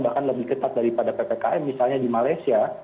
bahkan lebih ketat daripada ppkm misalnya di malaysia